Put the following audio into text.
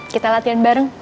kita latihan bareng